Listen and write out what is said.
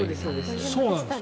そうなんです。